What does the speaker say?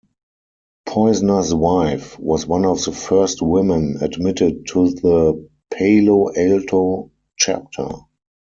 Poizner's wife was one of the first women admitted to the Palo Alto chapter.